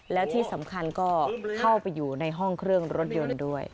แล้วที่สำคัญก็เข้าไปอยู่ในห้องเครื่องรถยนต์ด้วย